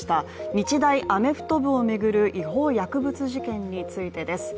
日大アメフト部を巡る違法薬物事件についてです。